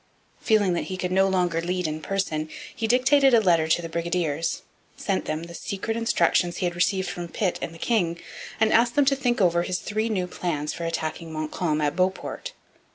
Feeling that he could no longer lead in person, he dictated a letter to the brigadiers, sent them the secret instructions he had received from Pitt and the king, and asked them to think over his three new plans for attacking Montcalm at Beauport.